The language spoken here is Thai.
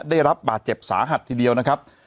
ได้รับบาดเจ็บสาหัสทีเดียวนะครับ